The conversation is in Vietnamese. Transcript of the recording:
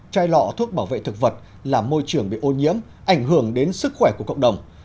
chai lọ thuốc bảo vệ thực vật làm môi trường bị ô nhiễm ảnh hưởng đến sức khỏe của cộng đồng